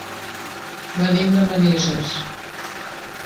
Venim de Manises.